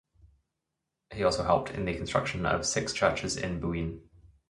He also helped in the construction of six churches in Buin.